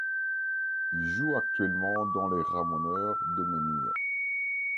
Il joue actuellement dans Les Ramoneurs de Menhirs.